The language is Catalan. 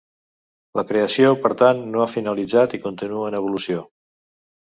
La creació, per tant, no ha finalitzat i continua en evolució.